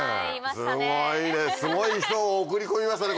すごいねすごい人を送り込みましたね